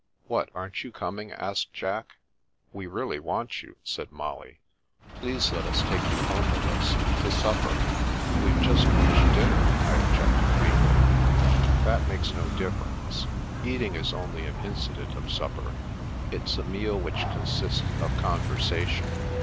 " What! Aren't you coming? " asked Jack. " We really want you," said Molly. " Please let us take you home with us — ^to supper." We've just finished dinner," I objected weakly. That makes no difference. Eating is only an incident of supper. It's a meal which consists of conversation.